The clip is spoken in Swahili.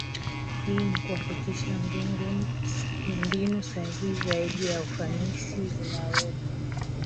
Hii ni kuhakikisha mbinu sahihi zaidi na ufanisi zinawekwa